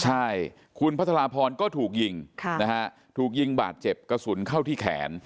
ใช่คุณพัทรพรก็ถูกยิงนะฮะถูกยิงบาดเจ็บกระสุนเข้าที่แขน